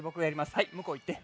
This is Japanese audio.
はいむこういって。